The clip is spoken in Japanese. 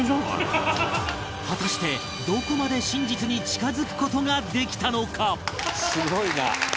果たしてどこまで真実に近付く事ができたのか？